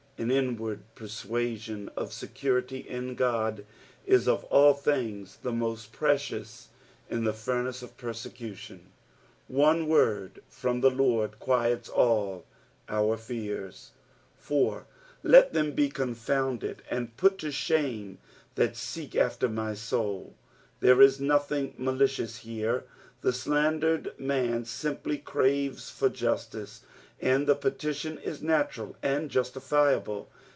An inward persuseiun of security in God is ot all things the most precious in tho furnace of persecution. One word from th« Lord quiets all our fears. 4. " Let them he eotfovndtd and put to thane that teek after my loul." There is nothing malicious here, the slandered man simply craves for justice, and the petition is natural and justifiable.